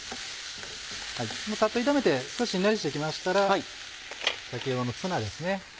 サッと炒めて少ししんなりして来ましたら先ほどのツナですね。